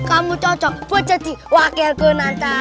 kamu cocok buat jadi wakil kunanta